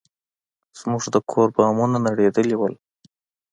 زموږ د کور بامونه نړېدلي وو.